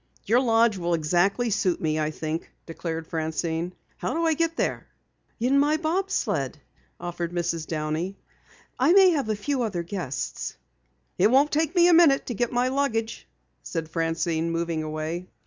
"Your lodge will exactly suit me, I think," declared Francine. "How do I get there?" "In my bob sled," offered Mrs. Downey. "I may have a few other guests." "It won't take me a minute to get my luggage," said Francine, moving away.